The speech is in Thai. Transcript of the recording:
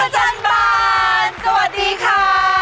สวัสดีค่ะ